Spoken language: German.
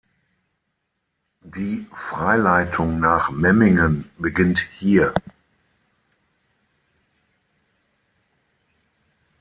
Die Freileitung nach Memmingen beginnt hier.